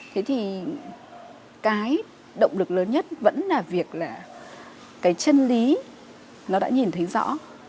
thế thì cái động lực lớn nhất vẫn là việc là cái chân lý nó đã nhìn thấy rõ